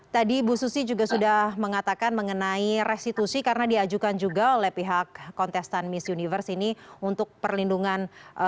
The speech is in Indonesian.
tadi bu susi juga sudah mengatakan mengenai restitusi karena diajukan juga oleh pihak kontestan miss universe ini untuk perlindungan